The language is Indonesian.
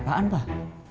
pikirin apaan filesh